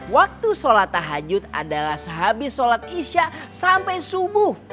waktu sholat tahajud adalah sehabis sholat isya sampai subuh